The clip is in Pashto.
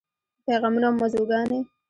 پیغامونه او موضوعګانې: